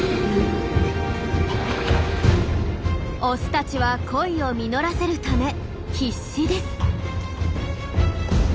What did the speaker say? オスたちは恋を実らせるため必死です。